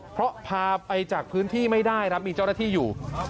เพราะพาไปจากพื้นที่ไม่ได้ครับมีเจ้าหน้าที่อยู่